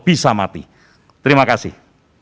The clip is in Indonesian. bisa mati terima kasih